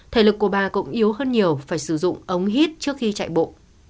thể lực của bà cũng yếu hơn nhiều phải sử dụng ống hít trước khi chạy bộ